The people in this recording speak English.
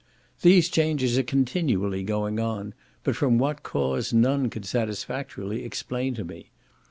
These changes are continually going on, but from what cause none could satisfactorily explain to me.